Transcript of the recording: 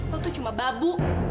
lo tuh cuma babu